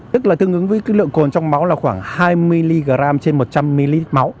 tức là tương ứng với cái lượng cồn trong máu là khoảng hai mg trên một trăm linh ml máu